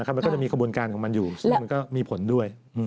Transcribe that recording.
มันก็จะมีขบวนการของมันอยู่ซึ่งมันก็มีผลด้วย